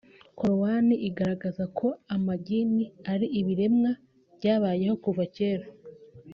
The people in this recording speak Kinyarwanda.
Korowani igaragaza koamagini ari ibiremwa byabayeho kuva kera